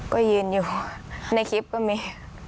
ก็ยืนอยู่ในคลิปก็มี